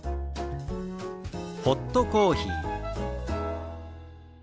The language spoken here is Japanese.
「ホットコーヒー」。